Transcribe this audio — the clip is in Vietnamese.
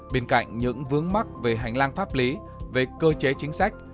bên cạnh những vướng mắc về hành lang pháp lý về cơ chế chính sách